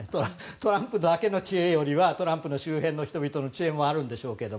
トランプだけの知恵よりはトランプの周辺の人々の知恵もあるんでしょうけど。